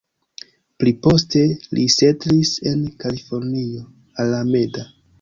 Pli poste li setlis en Kalifornio, Alameda.